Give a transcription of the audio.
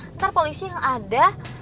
ntar polisi yang ada